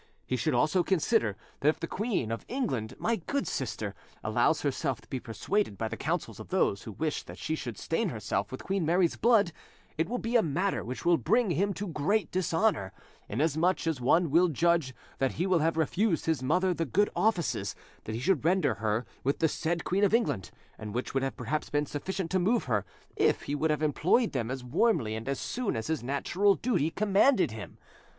He should also consider that if the Queen of England, my good sister, allows herself to be persuaded by the counsels of those who wish that she should stain herself with Queen Mary's blood, it will be a matter which will bring him to great dishonour, inasmuch as one will judge that he will have refused his mother the good offices that he should render her with the said Queen of England, and which would have perhaps been sufficient to move her, if he would have employed them, as warmly, and as soon as his natural duty commanded him.